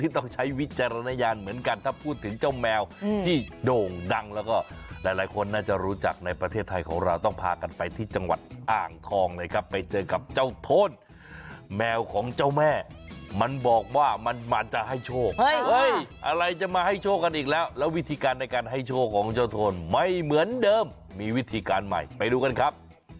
ต้องใช้วิจารณญาณเหมือนกันถ้าพูดถึงเจ้าแมวที่โด่งดังแล้วก็หลายคนน่าจะรู้จักในประเทศไทยของเราต้องพากันไปที่จังหวัดอ่างทองเลยครับไปเจอกับเจ้าโทนแมวของเจ้าแม่มันบอกว่ามันมันจะให้โชคอะไรจะมาให้โชคกันอีกแล้วแล้ววิธีการในการให้โชคของเจ้าโทนไม่เหมือนเดิมมีวิธีการใหม่ไปดูกันครับ